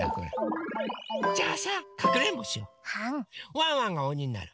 ワンワンがおにになる。